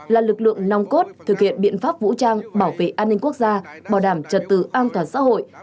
là lực lượng nong cốt thực hiện biện pháp vũ trang bảo vệ an ninh quốc gia bảo đảm trật tự an toàn xã hội